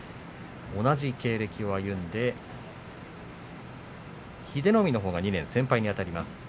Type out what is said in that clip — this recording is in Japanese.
同じ経歴を歩んで英乃海のほうが２年先輩にあたります。